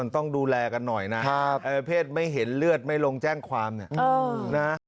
มันต้องดูแลกันน่ะนะถ้าเผชน์ไม่เห็นเลือดไม่ลงแจ้งความนี่นะ